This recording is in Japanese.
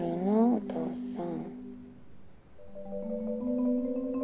お父さん。